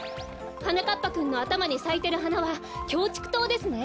はなかっぱくんのあたまにさいてるはなはキョウチクトウですね。